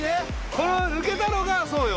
この抜けたのがそうよ